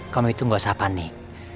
kamu itu gak usah panik